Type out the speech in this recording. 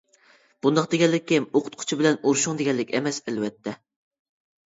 بۇنداق دېگەنلىكىم ئوقۇتقۇچى بىلەن ئۇرۇشۇڭ دېگەنلىك ئەمەس ئەلۋەتتە.